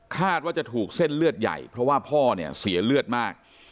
ว่าจะถูกเส้นเลือดใหญ่เพราะว่าพ่อเนี่ยเสียเลือดมาก